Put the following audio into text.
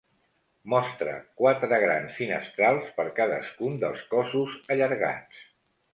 Mostra quatre grans finestrals per cadascun dels cossos allargats.